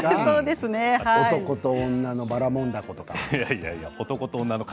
男と女のばらもんだことかね。